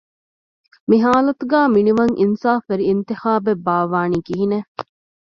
މި ހާލަތުގައި މިނިވަން އިންސާފުވެރި އިންތިޚާބެއް ބާއްވާނީ ކިހިނެއް؟